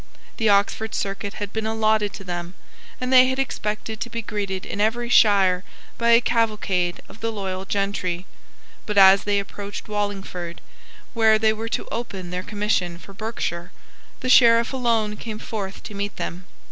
The Oxford circuit had been allotted to them; and they had expected to be greeted in every shire by a cavalcade of the loyal gentry. But as they approached Wallingford, where they were to open their commission for Berkshire, the Sheriff alone came forth to meet them.